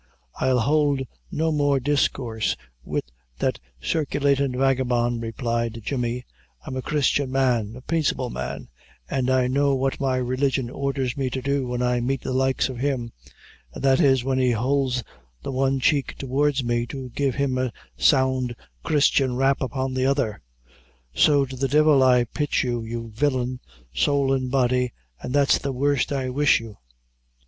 "I'll hould no more discoorse wid that circulatin' vagabone," replied Jemmy; "I'm a Christian man a peaceable man; an' I know what my religion ordhers me to do when I meet the likes of him and that is when he houlds the one cheek towardst me to give him a sound Christian rap upon the other. So to the divil I pitch, you, you villain, sowl and body, an' that's the worst I wish you.